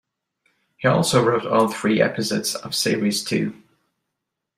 He also wrote all three episodes of series two.